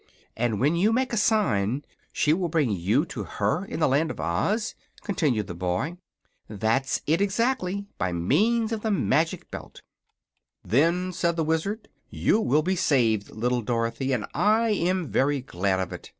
"And when you make a sign she will bring you to her in the Land of Oz?" continued the boy. "That's it, exactly; by means of the Magic Belt." "Then," said the Wizard, "you will be saved, little Dorothy; and I am very glad of it.